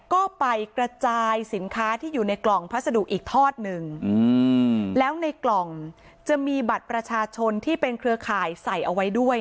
ก็ไปกระจายสินค้าที่อยู่ในกล่องพัสดุอีกทอดหนึ่งแล้วในกล่องจะมีบัตรประชาชนที่เป็นเครือข่ายใส่เอาไว้ด้วย